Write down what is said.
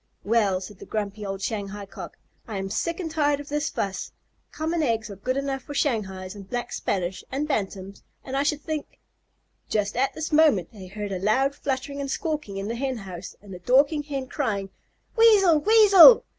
"Well," said the grumpy old Shanghai Cock, "I am sick and tired of this fuss. Common eggs are good enough for Shanghais and Black Spanish and Bantams, and I should think " Just at this minute they heard a loud fluttering and squawking in the Hen house and the Dorking Hen crying, "Weasel! Weasel!"